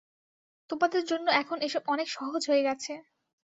তোমাদের জন্য এখন এসব অনেক সহজ হয়ে গেছে।